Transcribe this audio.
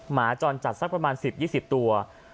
หมาจรจัดสักประมาณ๑๐๒๐ตัว